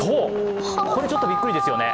これちょっとびっくりですよね。